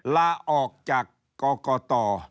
ลาออกจากกกต